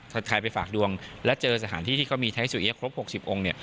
ถ้าใครไปฝากดวงและเจอสถานที่ที่เขามีไทยสุเอี๊ยครบ๖๐องค์เนี่ย